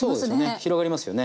広がりますよね。